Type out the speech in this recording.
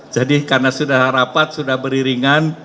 jadi karena sudah rapat sudah beriringan